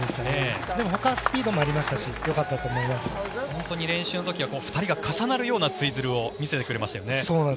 でも、ほかはスピードもありましたし練習の時は２人が重なるようなツイズルを見せてくれましたよね。